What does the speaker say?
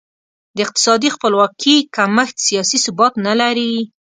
د اقتصادي خپلواکي کمښت سیاسي ثبات نه لري.